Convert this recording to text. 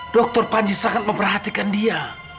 dokter panji sangat memperhatikan dia